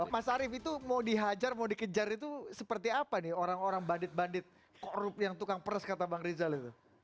mas arief itu mau dihajar mau dikejar itu seperti apa nih orang orang bandit bandit korup yang tukang pers kata bang rizal itu